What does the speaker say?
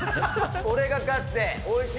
俺が勝っておいしい